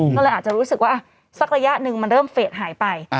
ก็เลยอาจจะรู้สึกว่าสักระยะหนึ่งมันเริ่มเฟสหายไป